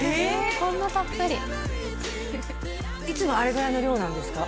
こんなたっぷりいつもあれぐらいの量なんですか？